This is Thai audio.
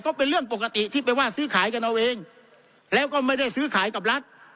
ก็เป็นเรื่องปกติที่ไปว่าซื้อขายกันเอาเองแล้วก็ไม่ได้ซื้อขายกับรัฐ